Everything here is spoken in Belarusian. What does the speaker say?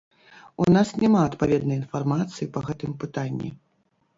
У нас няма адпаведнай інфармацыі па гэтым пытанні.